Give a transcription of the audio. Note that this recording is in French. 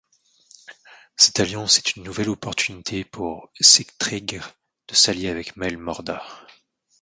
Cette alliance est une nouvelle opportunité pour Sigtryggr de s’allier avec Máel Mórda.